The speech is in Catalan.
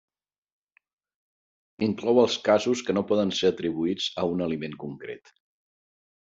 Inclou els casos que no poden ser atribuïts a un aliment concret.